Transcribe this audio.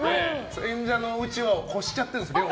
演者のうちわを超しちゃってるんですよ、量。